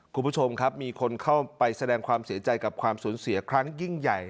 คุณผู้ชมครับมีคนเข้าไปแสดงความเสียใจกับความสูญเสียครั้งยิ่งใหญ่